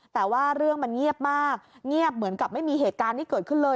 แต่ว่าเรื่องมันเงียบมากเงียบเหมือนกับไม่มีเหตุการณ์ที่เกิดขึ้นเลย